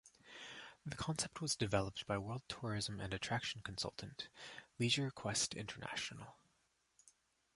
The concept was developed by world tourism and attraction consultant Leisure Quest International.